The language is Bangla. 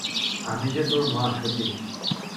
আমি যে তোর মা, সতীশ।